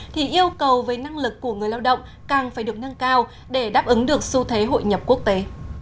thì yêu cầu về năng lực của người lao động càng phải được nâng cao để đáp ứng được xu thế hội nhập quốc tế